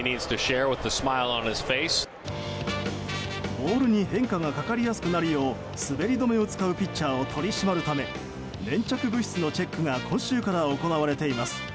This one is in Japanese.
ボールに変化がかかりやすくなるよう滑り止めを使うピッチャーを取り締まるため粘着物質のチェックが今週から行われています。